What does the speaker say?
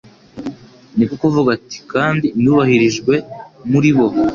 Niko kuvuga ati : «Kandi nubahirijwe muri bo.